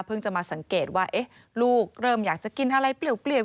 จะมาสังเกตว่าลูกเริ่มอยากจะกินอะไรเปลี่ยว